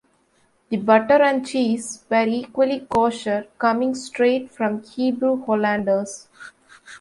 The butter and cheese were equally kosher, coming straight from Hebrew Hollanders.